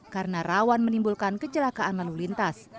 karena rawan menimbulkan kecelakaan lalu lintas